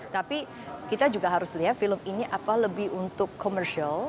tapi kita juga harus lihat film ini apa lebih untuk commercial